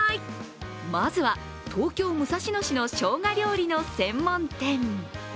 まずは、東京・武蔵野市のしょうが料理の専門店。